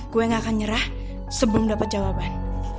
gue gak akan nyerah sebelum dapat jawaban